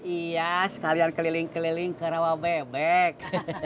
iya sekalian keliling keliling ke rawa bebek